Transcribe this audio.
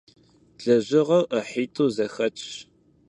Лэжьыгъэр ӏыхьитӏу зэхэтщ.